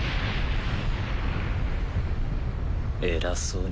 偉そうに。